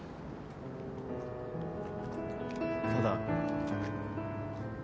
ただ。